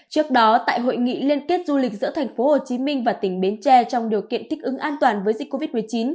trước đó tại hội nghị liên kết du lịch giữa thành phố hồ chí minh và tỉnh bến tre trong điều kiện thích ứng an toàn với dịch covid một mươi chín